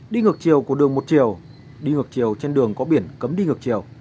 đi ngược chiều của đường một chiều đi ngược chiều trên đường có biển cấm đi ngược chiều